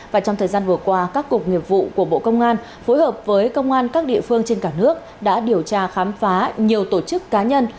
và trong thời gian vừa qua các cục nghiệp vụ của bộ công an phối hợp với công an các địa phương trên cả nước đã điều tra khám phá nhiều tổ chức cá nhân